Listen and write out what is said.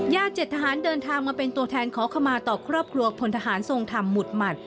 ๗ทหารเดินทางมาเป็นตัวแทนขอขมาต่อครอบครัวพลทหารทรงธรรมหมุดหมัด